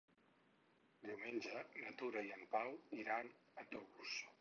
Diumenge na Tura i en Pau iran a Tous.